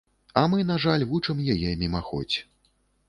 А мы, на жаль, вучым яе мімаходзь.